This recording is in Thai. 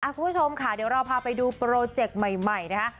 คุณผู้ชมค่ะเดี๋ยวเราพาไปดูโปรเจคใหม่นะคะ